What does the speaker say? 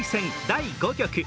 第５局。